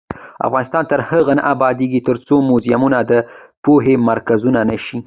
افغانستان تر هغو نه ابادیږي، ترڅو موزیمونه د پوهې مرکزونه نشي.